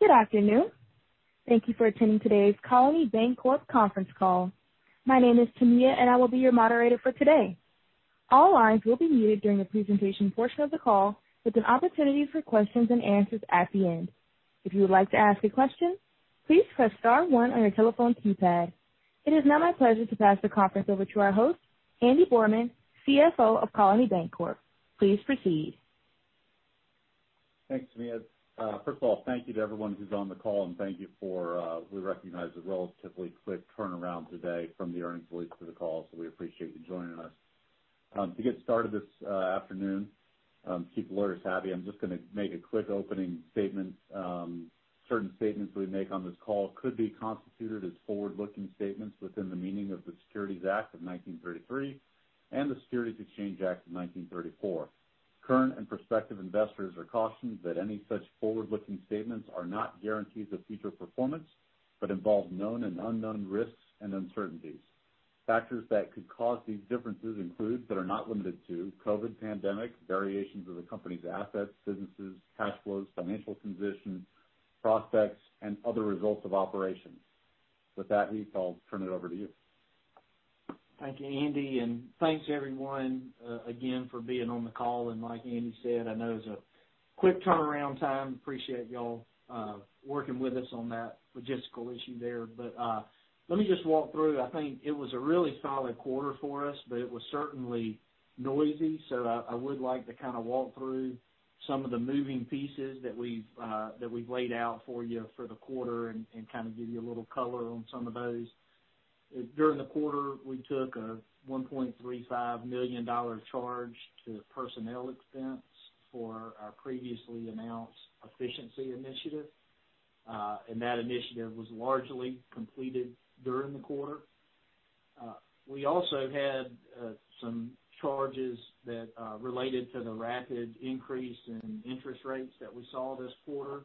Good afternoon. Thank you for attending today's Colony Bankcorp, Inc. Conference Call. My name is Tamia, and I will be your moderator for today. All lines will be muted during the presentation portion of the call, with an opportunity for questions and answers at the end. If you would like to ask a question, please press star one on your telephone keypad. It is now my pleasure to pass the conference over to our host, Andy Borrmann, CFO of Colony Bankcorp, Inc. Please proceed. Thanks, Tamia. First of all, thank you to everyone who's on the call. We recognize the relatively quick turnaround today from the earnings release to the call, so we appreciate you joining us. To get started this afternoon, to keep lawyers happy, I'm just gonna make a quick opening statement. Certain statements we make on this call could be constituted as forward-looking statements within the meaning of the Securities Act of 1933 and the Securities Exchange Act of 1934. Current and prospective investors are cautioned that any such forward-looking statements are not guarantees of future performance, but involve known and unknown risks and uncertainties. Factors that could cause these differences include, but are not limited to, COVID pandemic, variations of the company's assets, businesses, cash flows, financial conditions, prospects, and other results of operations. With that, Heath, I'll turn it over to you. Thank you, Andy, and thanks, everyone, again for being on the call. Like Andy said, I know it was a quick turnaround time, appreciate y'all working with us on that logistical issue there. Let me just walk through, I think it was a really solid quarter for us, but it was certainly noisy. I would like to kinda walk through some of the moving pieces that we've laid out for you for the quarter and kinda give you a little color on some of those. During the quarter, we took a $1.35 million charge to personnel expense for our previously announced efficiency initiative, and that initiative was largely completed during the quarter. We also had some charges that related to the rapid increase in interest rates that we saw this quarter.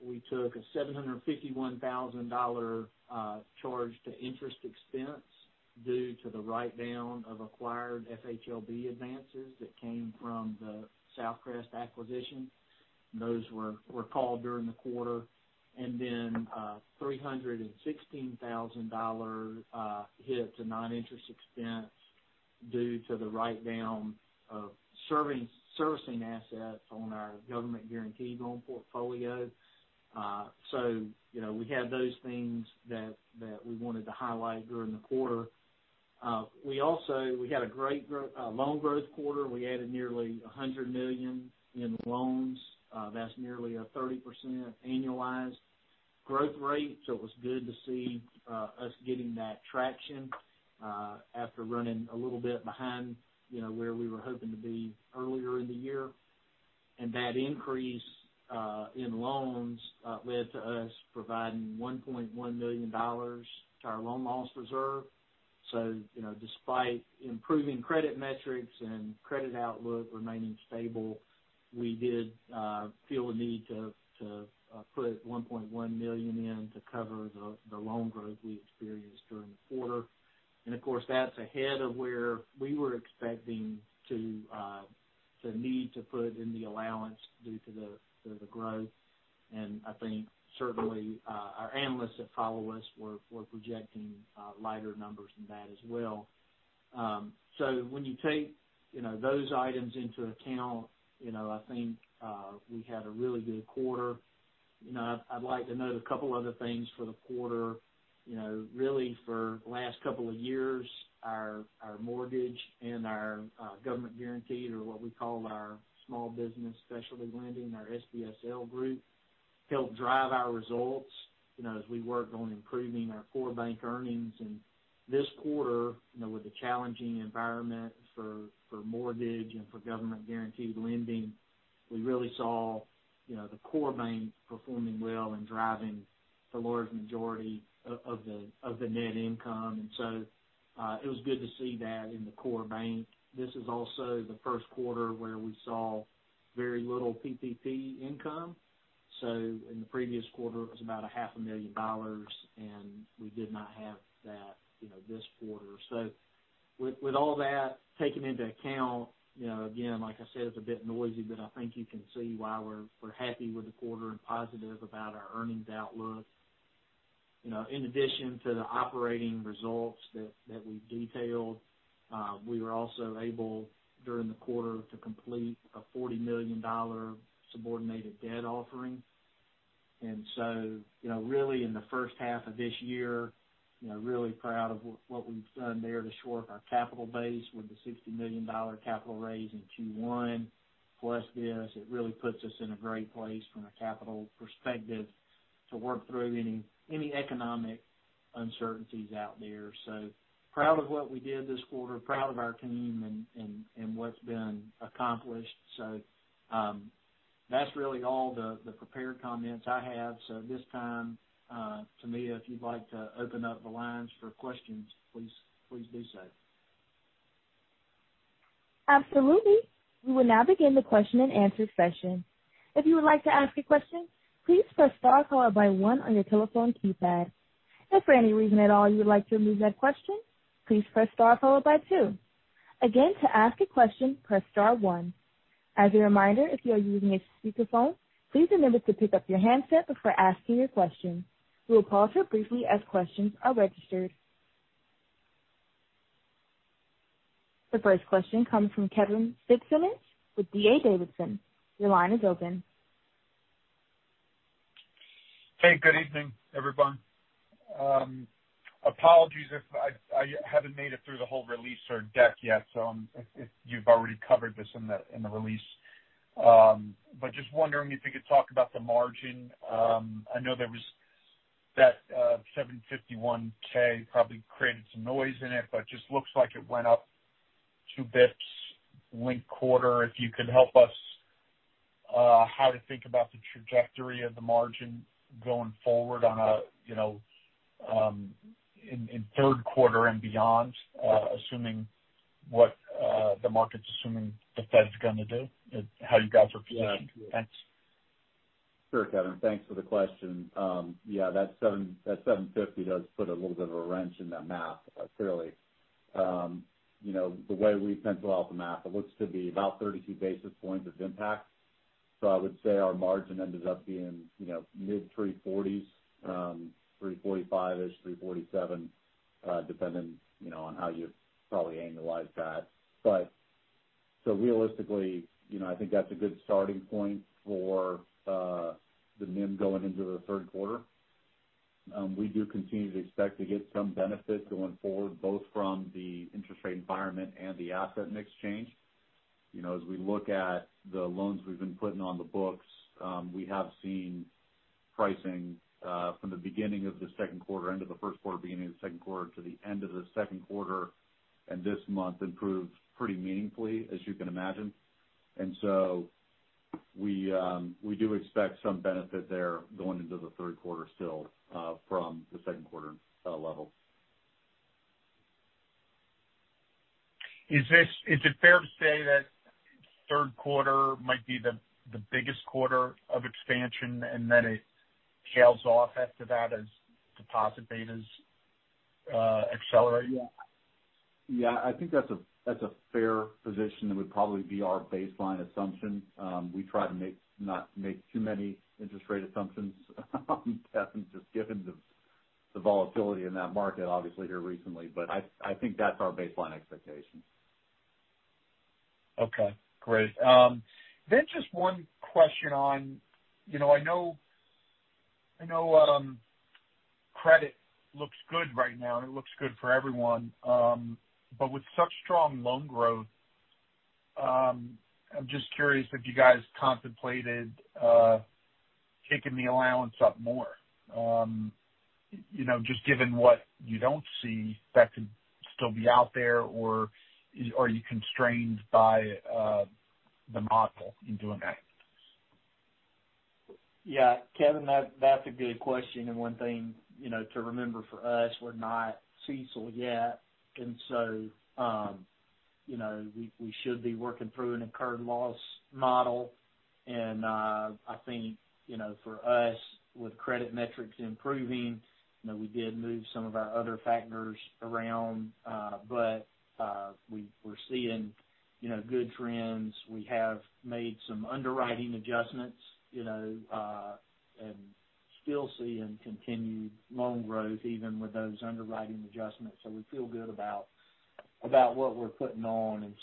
We took a $751,000 charge to interest expense due to the write-down of acquired FHLB advances that came from the SouthCrest acquisition. Those were called during the quarter. We had a $316,000 hit to non-interest expense due to the write-down of servicing assets on our government-guaranteed loan portfolio. You know, we had those things that we wanted to highlight during the quarter. We had a great loan growth quarter, we added nearly $100 million in loans. That's nearly a 30% annualized growth rate. It was good to see us getting that traction after running a little bit behind, you know, where we were hoping to be earlier in the year. That increase in loans led to us providing $1.1 million to our loan loss reserve. You know, despite improving credit metrics and credit outlook remaining stable, we did feel the need to put $1.1 million in to cover the loan growth we experienced during the quarter. Of course, that's ahead of where we were expecting to need to put in the allowance due to the growth and I think certainly our analysts that follow us were projecting lighter numbers than that as well. When you take, you know, those items into account, you know, I think we had a really good quarter. You know, I'd like to note a couple other things for the quarter. You know, really for the last couple of years, our mortgage and our government-guaranteed or what we call our small business specialty lending, our SBSL group, helped drive our results, you know, as we worked on improving our core bank earnings. This quarter, you know, with the challenging environment for mortgage and for government-guaranteed lending, we really saw, you know, the core bank performing well and driving the large majority of the net income. It was good to see that in the core bank. This is also the Q1 where we saw very little PPP income. So, in the previous quarter, it was about half a million dollars, and we did not have that, you know, this quarter. With all that taken into account, you know, again, like I said, it's a bit noisy, but I think you can see why we're happy with the quarter and positive about our earnings outlook. You know, in addition to the operating results that we detailed, we were also able, during the quarter, to complete a $40 million subordinated debt offering. You know, really in the first half of this year, you know, really proud of what we've done there to shore up our capital base with the $60 million capital raise in Q1. Plus this, it really puts us in a great place from a capital perspective to work through any economic uncertainties out there so proud of what we did this quarter, proud of our team and what's been accomplished. That's really all the prepared comments I have so at this time, Tamia, if you'd like to open up the lines for questions, please do so. Absolutely. We will now begin the question and answer session. If you would like to ask a question, please press star followed by one on your telephone keypad. If for any reason at all you would like to remove that question, please press star followed by two. Again, to ask a question, press star one. As a reminder, if you are using a speakerphone, please remember to pick up your handset before asking your question. We will pause briefly as questions are registered. The first question comes from Kevin Fitzsimmons with D.A. Davidson. Your line is open. Hey, good evening, everyone. Apologies if I haven't made it through the whole release or deck yet. If you've already covered this in the release. But just wondering if you could talk about the margin. I know there was that $751K probably created some noise in it, but just looks like it went up 2 basis points linked-quarter. If you could help us how to think about the trajectory of the margin going forward in Q3 and beyond assuming what the market's assuming the Fed's gonna do, how you guys are positioned. Thanks. Sure, Kevin, thanks for the question. Yeah, that 7.50 does put a little bit of a wrench in that math, clearly. You know, the way we pencil out the math, it looks to be about 32 basis points of impact. I would say our margin ended up being, you know, mid-3.40s, 3.45-ish, 3.47%, depending, you know, on how you probably annualize that. Realistically, you know, I think that's a good starting point for the NIM going into the Q3. We do continue to expect to get some benefit going forward, both from the interest rate environment and the asset mix change. You know, as we look at the loans we've been putting on the books, we have seen pricing from the beginning of the Q2 end of the Q1, beginning of the second quarter to the end of the second quarter, and this month improved pretty meaningfully, as you can imagine. We do expect some benefit there going into the Q3 still from the Q2 level. Is it fair to say that Q3 might be the biggest quarter of expansion and then it tails off after that as deposit betas accelerate? Yeah. I think that's a fair position. That would probably be our baseline assumption. We try not to make too many interest rate assumptions, Kevin, just given the volatility in that market obviously here recently but I think that's our baseline expectation. Okay, great. Just one question on, you know, I know credit looks good right now and it looks good for everyone. With such strong loan growth, I'm just curious if you guys contemplated kicking the allowance up more, you know, just given what you don't see that could still be out there or are you constrained by the model in doing that? Yeah, Kevin, that's a good question. One thing, you know, to remember for us, we're not CECL yet. You know, we should be working through an incurred loss model. I think, you know, for us, with credit metrics improving, you know, we did move some of our other factors around. We're seeing, you know, good trend, we have made some underwriting adjustments, you know, and still seeing continued loan growth even with those underwriting adjustments. We feel good about what we're putting on.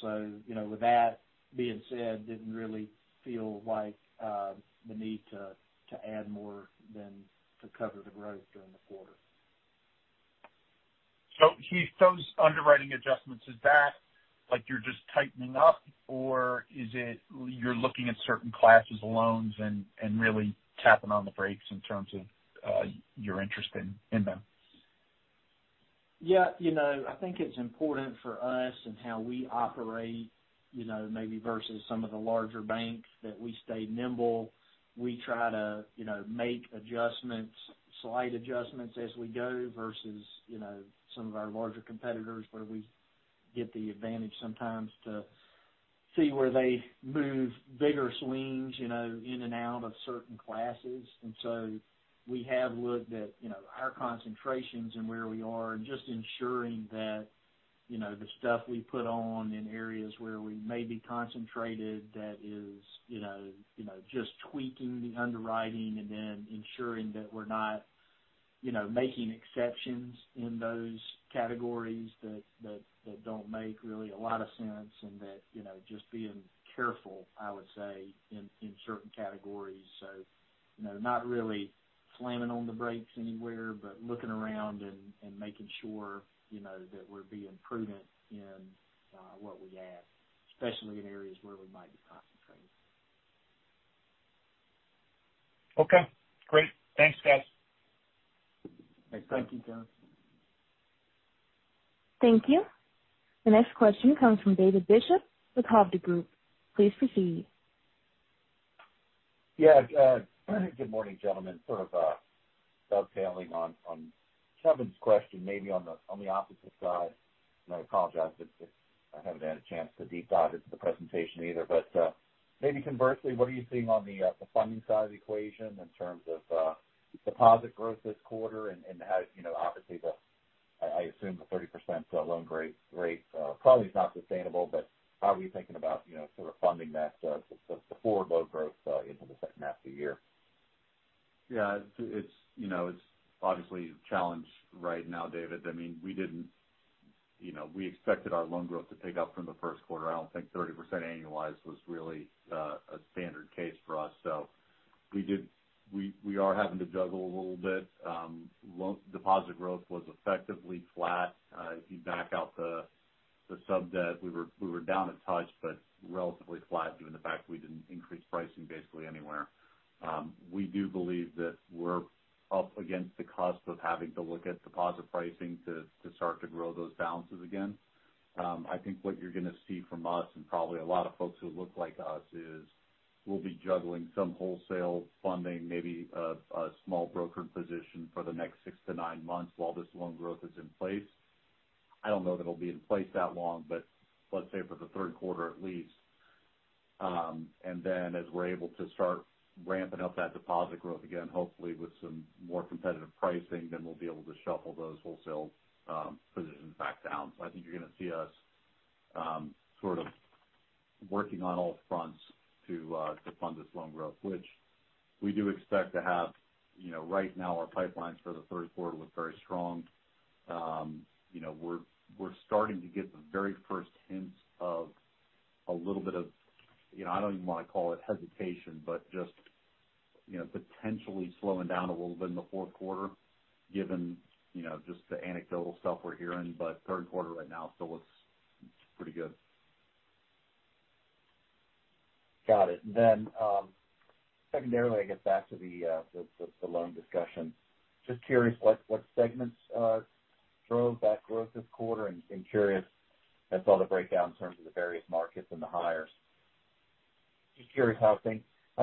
You know, with that being said, didn't really feel like the need to add more than to cover the growth during the quarter. So, Heath, those underwriting adjustments, is that like you're just tightening up or is it you're looking at certain classes of loans and really tapping on the brakes in terms of your interest in them? Yeah, you know, I think it's important for us and how we operate, you know, maybe versus some of the larger banks, that we stay nimble. We try to, you know, make adjustments, slight adjustments as we go versus, you know, some of our larger competitors, where we get the advantage sometimes to see where they move bigger swings, you know, in and out of certain classes. We have looked at, you know, our concentrations and where we are and just ensuring that, you know, the stuff we put on in areas where we may be concentrated that is, you know, just tweaking the underwriting and then ensuring that we're not, you know, making exceptions in those categories that don't make really a lot of sense. That, you know, just being careful, I would say, in certain categories. You know, not really slamming on the brakes anywhere, but looking around and making sure, you know, that we're being prudent in what we add, especially in areas where we might be concentrated. Okay, great. Thanks, guys. Thanks. Thank you, Kevin. Thank you. The next question comes from David Bishop with Hovde Group. Please proceed. Yeah, good morning, gentlemen. Sort of dovetailing on Kevin's question, maybe on the opposite side and I apologize if I haven't had a chance to deep dive into the presentation either. Maybe conversely, what are you seeing on the funding side of the equation in terms of deposit growth this quarter and how, you know, obviously, I assume the 30% loan growth rate probably is not sustainable, but how are you thinking about, you know, sort of funding that the forward loan growth into the second half of the year? Yeah, it's obviously a challenge right now, David. I mean, we expected our loan growth to pick up from the Q1. I don't think 30% annualized was really a standard case for us. We are having to juggle a little bit. Loan deposit growth was effectively flat if you back out the sub-debt, we were down a touch, but relatively flat given the fact we didn't increase pricing basically anywhere. We do believe that we're up against the cusp of having to look at deposit pricing to start to grow those balances again. I think what you're gonna see from us, and probably a lot of folks who look like us, is we'll be juggling some wholesale funding, maybe a small brokered position for the next 6-9 months while this loan growth is in place. I don't know that it'll be in place that long, but let's say for the Q3 at least. As we're able to start ramping up that deposit growth again, hopefully with some more competitive pricing, then we'll be able to shuffle those wholesale positions back down. I think you're gonna see us, sort of working on all fronts to fund this loan growth, which we do expect to have, you know, right now our pipelines for the Q3 look very strong. You know, we're starting to get the very first hints of a little bit of, you know, I don't even want to call it hesitation, but just, you know, potentially slowing down a little bit in the Q4 given, you know, just the anecdotal stuff we're hearing but Q3 right now still looks pretty good. Got it. Then, secondarily, I guess back to the loan discussion. Just curious what segments drove that growth this quarter? Curious, I saw the breakdown in terms of the various markets and the hires. Just curious how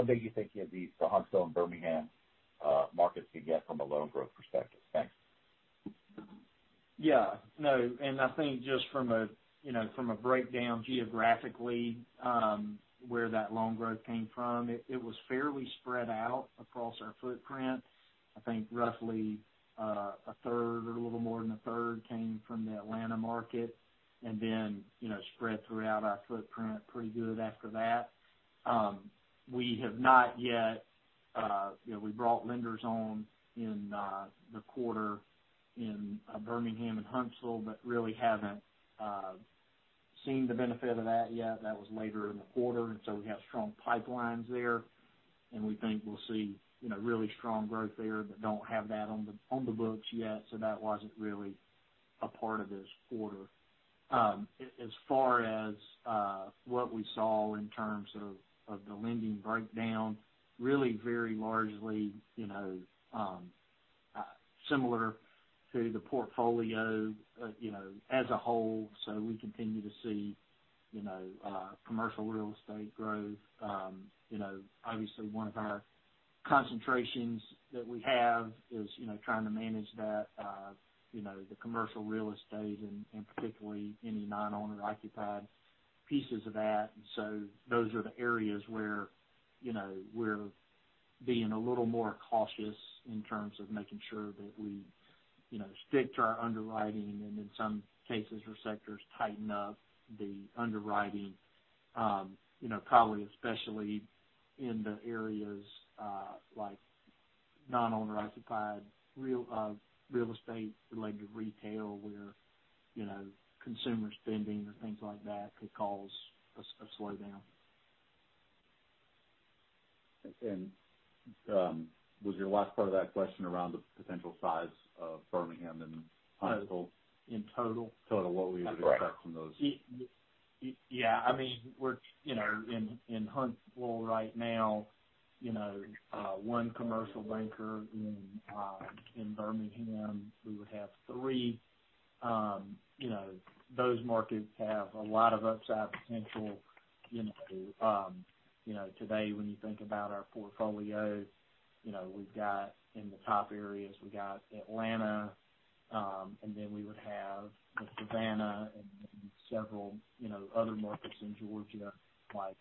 big you think the Huntsville and Birmingham markets could get from a loan growth perspective? Thanks. Yeah. No, I think just from a you know from a breakdown geographically where that loan growth came from, it was fairly spread out across our footprint. I think roughly a third or a little more than a third came from the Atlanta market and then you know spread throughout our footprint pretty good after that. We have not yet you know we brought lenders on in the quarter in Birmingham and Huntsville, but really haven't seen the benefit of that yet, that was later in the quarter and so we have strong pipelines there, and we think we'll see you know really strong growth there, but don't have that on the books yet so that wasn't really a part of this quarter. As far as what we saw in terms of the lending breakdown, really very largely, you know, similar to the portfolio, you know, as a whole so we continue to see, you know, commercial real estate growth. Obviously one of our concentrations that we have is, you know, trying to manage that, you know, the commercial real estate and particularly any non-owner occupied pieces of that. Those are the areas where, you know, we're being a little more cautious in terms of making sure that we, you know, stick to our underwriting and in some cases or sectors, tighten up the underwriting, you know, probably especially in the areas, like non-owner occupied real estate related retail where, you know, consumer spending and things like that could cause a slowdown. Was your last part of that question around the potential size of Birmingham and Huntsville? In total? Total, what we would expect from those. Yeah. I mean, we're, you know, in Huntsville right now, you know, one commercial banker. In Birmingham, we would have 3. You know, those markets have a lot of upside potential. You know, today, when you think about our portfolio, you know, we've got in the top areas, we've got Atlanta, and then we would have the Savannah and several, you know, other markets in Georgia like,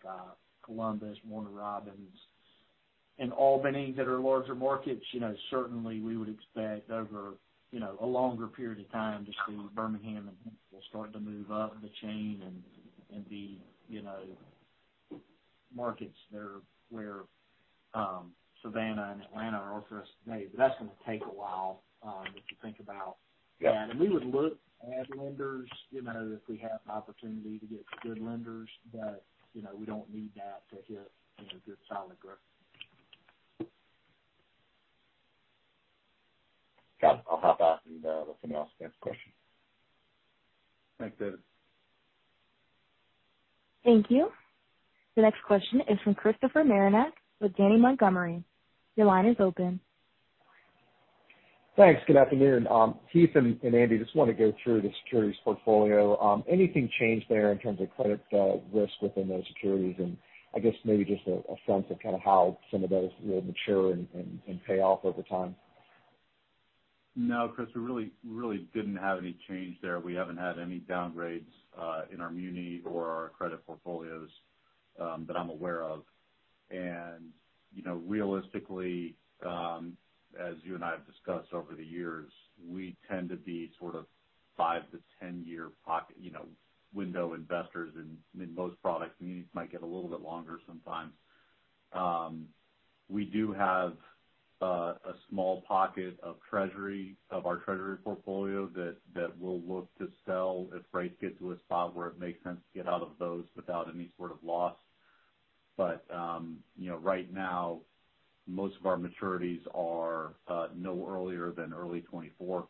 Columbus, Warner Robins, and Albany that are larger markets. You know, certainly we would expect over, you know, a longer period of time to see Birmingham and Huntsville start to move up the chain and be, you know, markets there where Savannah and Atlanta are for us today but that's gonna take a while, if you think about that. We would look to add lenders, you know, if we have an opportunity to get good lenders, but, you know, we don't need that to hit, you know, good solid growth. Got it. I'll hop off and let someone else ask the next question. Thanks, David. Thank you. The next question is from Christopher Marinac with Janney Montgomery. Your line is open. Thanks. Good afternoon. Heath and Andy, just want to go through the securities portfolio. Anything change there in terms of credit risk within those securities? I guess maybe just a sense of kind of how some of those will mature and pay off over time. No, Chris, we really, really didn't have any change there. We haven't had any downgrades in our muni or our credit portfolios that I'm aware of. And, you know, realistically, as you and I have discussed over the years, we tend to be sort of 5-10 year pocket, you know, window investors in, I mean, most products Munis might get a little bit longer sometimes. We do have a small pocket of treasury, of our treasury portfolio that we'll look to sell if rates get to a spot where it makes sense to get out of those without any sort of loss. You know, right now, most of our maturities are no earlier than early 24.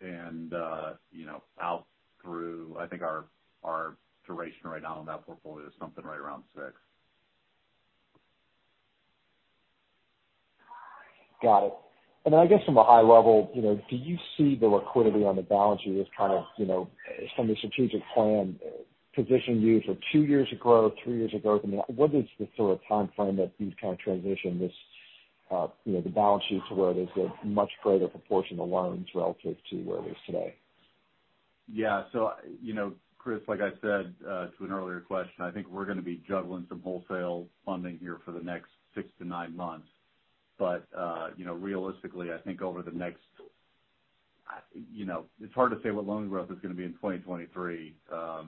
You know, out through, I think, our duration right now on that portfolio is something right around 6. Got it. I guess from a high level, you know, do you see the liquidity on the balance sheet as kind of, you know, some of the strategic plan position you for 2 years of growth, 3 years of growth? I mean, what is the sort of timeframe that you kind of transition this, you know, the balance sheet to where there's a much greater proportion of loans relative to where it is today? Yeah. You know, Chris, like I said, to an earlier question, I think we're gonna be juggling some wholesale funding here for the next 6-9 months. But, you know, realistically, I think it's hard to say what loan growth is gonna be in 2023. I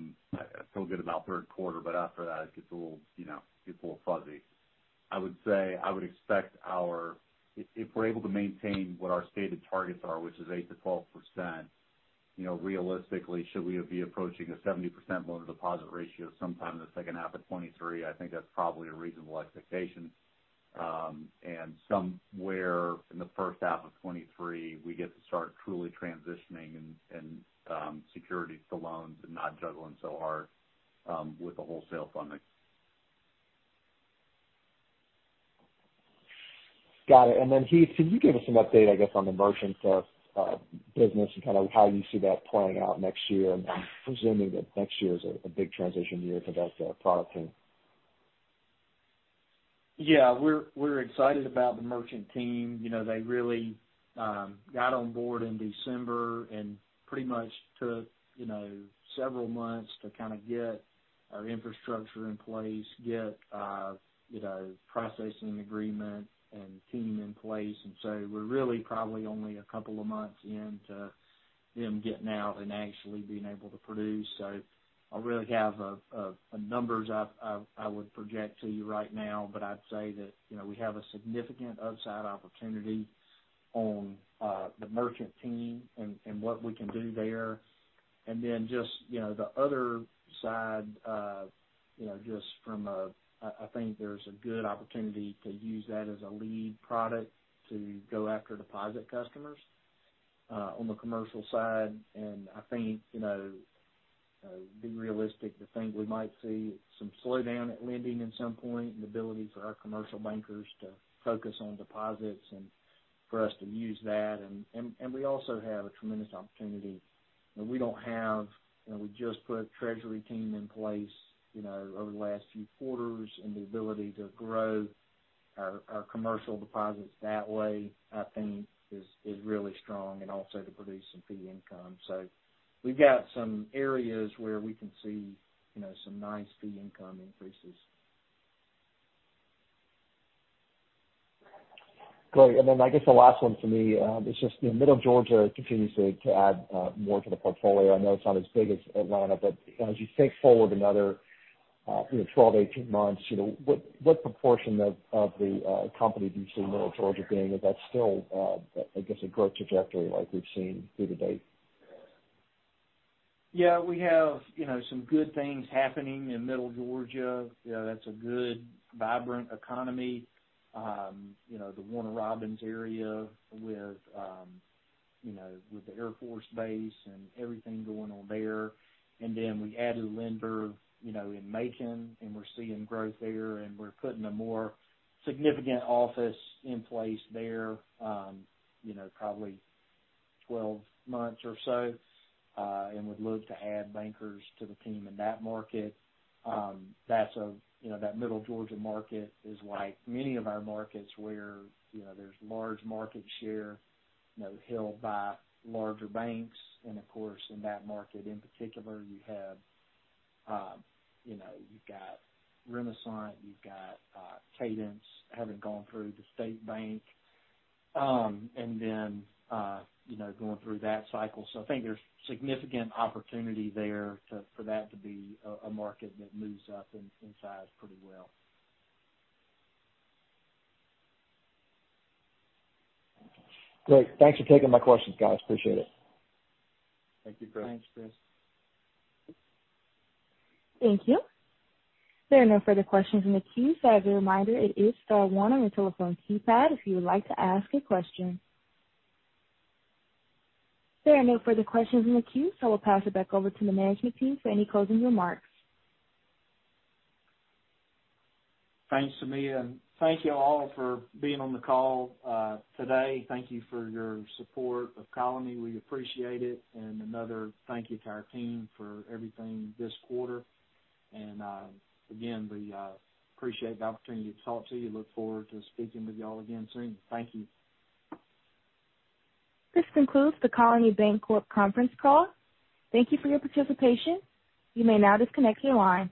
feel good about Q3, but after that it gets a little, you know, fuzzy. I would say, I would expect if we're able to maintain what our stated targets are, which is 8%-12%, you know, realistically, should we be approaching a 70% loan-to-deposit ratio sometime in the second half of 23, I think that's probably a reasonable expectation. Somewhere in the first half of 23, we get to start truly transitioning securities to loans and not juggling so hard with the wholesale funding. Got it. And then Heath, can you give us an update, I guess, on the merchant services business and kind of how you see that playing out next year? I'm presuming that next year is a big transition year for that product team. Yeah. We're excited about the merchant team. You know, they really got on board in December and pretty much took, you know, several months to kinda get our infrastructure in place, get, you know, processing agreement and team in place. We're really probably only a couple of months in to them getting out and actually being able to produce. I don't really have any numbers I would project to you right now, but I'd say that, you know, we have a significant upside opportunity on the merchant team and what we can do there. Just, you know, the other side of, you know, just from a, I think there's a good opportunity to use that as a lead product to go after deposit customers on the commercial side. I think, you know, being realistic to think we might see some slowdown in lending at some point, and ability for our commercial bankers to focus on deposits and for us to use that. We also have a tremendous opportunity. You know, we just put a treasury team in place, you know, over the last few quarters, and the ability to grow our commercial deposits that way, I think is really strong and also to produce some fee income. We've got some areas where we can see, you know, some nice fee income increases. Great. Then I guess the last one for me is just, you know, Middle Georgia continues to add more to the portfolio. I know it's not as big as Atlanta, but, you know, as you think forward another, you know, 12, 18 months, you know, what proportion of the company do you see Middle Georgia being? Is that still, I guess, a growth trajectory like we've seen through to date? Yeah. We have, you know, some good things happening in Middle Georgia. You know, that's a good, vibrant economy. You know, the Warner Robins area with, you know, with the Air Force base and everything going on there. We added a lender, you know, in Macon, and we're seeing growth there, and we're putting a more significant office in place there, you know, probably 12 months or so. Would love to add bankers to the team in that market. You know, that Middle Georgia market is like many of our markets where, you know, there's large market share, you know, held by larger banks. Of course, in that market in particular, you have, you know, you've got Renasant, you've got Cadence having gone through the State Bank. And then, you know, going through that cycle. So, I think there's significant opportunity there for that to be a market that moves up in size pretty well. Great. Thanks for taking my questions, guys. Appreciate it. Thank you, Chris. Thanks, Chris. Thank you. There are no further questions in the queue. As a reminder, it is star one on your telephone keypad if you would like to ask a question. There are no further questions in the queue, so we'll pass it back over to the management team for any closing remarks. Thanks, Tamia. Thank you all for being on the call today. Thank you for your support of Colony, we appreciate it. Another thank you to our team for everything this quarter. Again, we appreciate the opportunity to talk to you. Look forward to speaking with you all again soon. Thank you. This concludes the Colony Bankcorp conference call. Thank you for your participation. You may now disconnect your line.